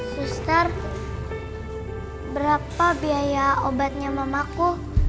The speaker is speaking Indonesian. suskar berapa biaya obatnya mamaku